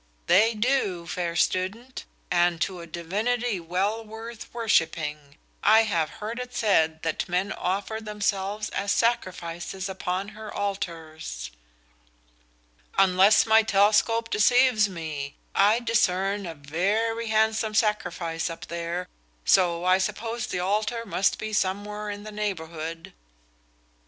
"They do, fair student, and to a divinity well worth worshiping. I have heard it said that men offer themselves as sacrifices upon her altars." "Unless my telescope deceives me, I discern a very handsome sacrifice up there, so I suppose the altar must be somewhere in the neighborhood."